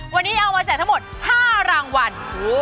วันนี้เอามาแจกทั้งหมด๕รางวัล